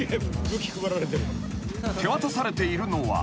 ［手渡されているのは］